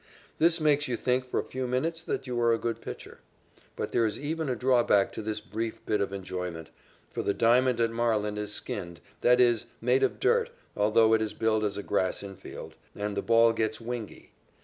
This makes you think for a few minutes that you are a good pitcher. But there is even a drawback to this brief bit of enjoyment, for the diamond at Marlin is skinned that is, made of dirt, although it is billed as a grass infield, and the ball gets "wingy."